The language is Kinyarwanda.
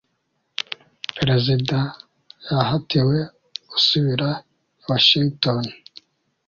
perezida yahatiwe gusubira i washington